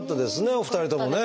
お二人ともね。